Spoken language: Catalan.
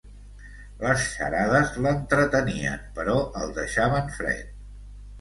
Les xarades l'entretenien però el deixaven fred